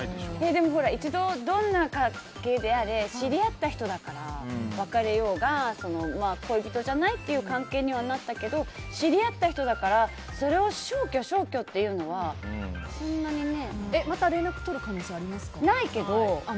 でも一度、どんな関係であれ知り合った人だから別れようが恋人じゃないという関係にはなったけど知り合った人だからそれを消去、消去というのはそんなにね。また連絡を取る可能性はありますか？